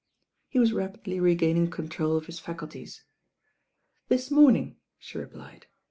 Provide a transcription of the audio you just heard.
He was rapidly regaining control of his faculties. "This morning," she replied.